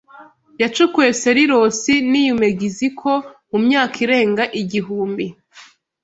yacukuwe Cerilosi niyu megiziko mu myaka irenga igihumbi